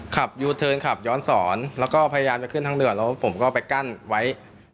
ขับยูเทิร์นขับย้อนสอนแล้วก็พยายามจะขึ้นทางด่วนแล้วผมก็ไปกั้นไว้